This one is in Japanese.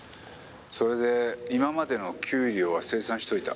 「それで今までの給料は精算しといた」